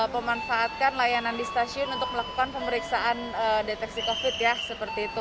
memanfaatkan layanan di stasiun untuk melakukan pemeriksaan deteksi covid ya seperti itu